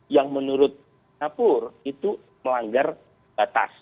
yang menurut singapura itu melanggar batas